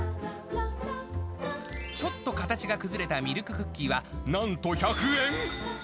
ちょっと形が崩れたミルククッキーは、なんと１００円。